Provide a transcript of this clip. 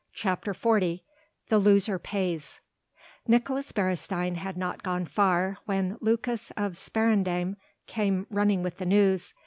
CHAPTER XL THE LOSER PAYS Nicolaes Beresteyn had not gone far when Lucas of Sparendam came running with the news.